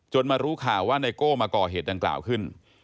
มารู้ข่าวว่าไนโก้มาก่อเหตุดังกล่าวขึ้น